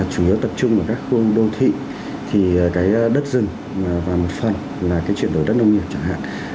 chủ yếu tập trung ở các khu đô thị thì cái đất rừng và một phần là cái chuyển đổi đất nông nghiệp chẳng hạn